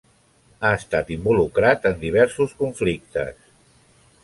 Ha estat involucrat en diversos conflictes.